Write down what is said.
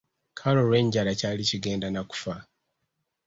Kale olw’enjala ky’ali kigenda nakufa.